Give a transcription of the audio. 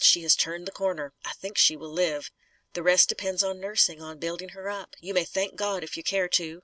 She has turned the corner. I think she will live. The rest depends on nursing on building her up. You may thank God, if you care to.